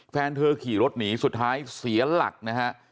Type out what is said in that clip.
แฟนเธอขี่รถหนีสุดท้ายเสียหลักนะฮะ